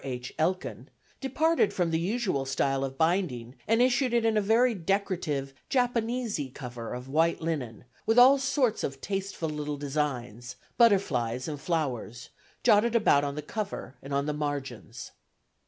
H. Elkin), departed from the usual style of binding and issued it in a very decorative "Japanesy" cover of white linen, with all sorts of tasteful little designs butterflies and flowers jotted about on the cover and on the margins.